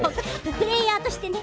プレーヤーとしてね。